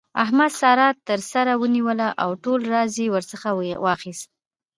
احمد؛ سارا تر سر ونيوله او ټول راز يې ورڅخه واخيست.